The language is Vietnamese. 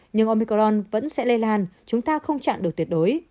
nhưng omicron vẫn sẽ lây lan chúng ta không chạm được tuyệt đối